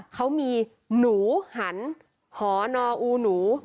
เขามีหนูหันหอนอูหนู